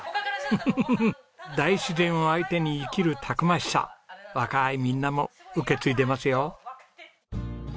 フフフフフ大自然を相手に生きるたくましさ若いみんなも受け継いでますよ。